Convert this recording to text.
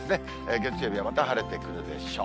月曜日はまた晴れてくるでしょう。